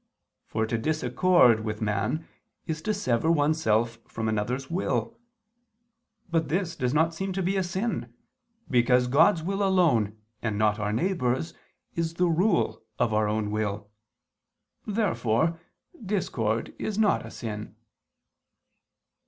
For to disaccord with man is to sever oneself from another's will. But this does not seem to be a sin, because God's will alone, and not our neighbor's, is the rule of our own will. Therefore discord is not a sin.